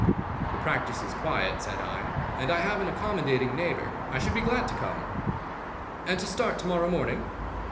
"The practice is quiet," said I, "and I have an accommodating neighbour. I should be glad to come." "And to start to morrow morning?"